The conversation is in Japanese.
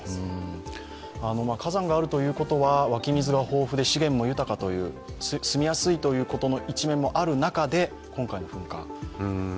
火山があるということは、湧き水が豊富で資源が豊か、住みやすいということの一面もある中で今回の噴火。